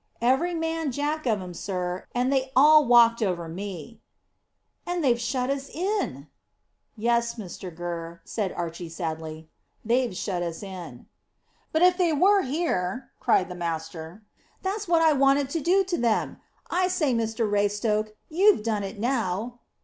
"Every man jack of 'em, sir, and they all walked over me." "And they've shut us in!" "Yes, Mr Gurr," said Archy sadly; "they've shut us in." "But if they were here," cried the master; "that's what I wanted to do to them. I say, Mr Raystoke, you've done it now."